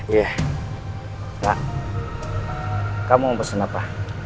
iya pak kamu mau pesan apa